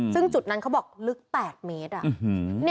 ซึ่งจุดนั้นเขาบอกลึก๘เมตร